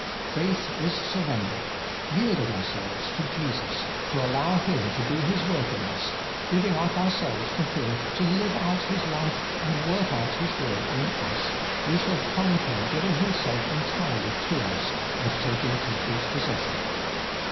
Faith is surrender : yielding ourselves to Jesus to allow Him to do His work in us, giving up ourselves to Him to live out His life and work out His will in us, we shall find Him giving Himself entirely to us, and taking complete possession.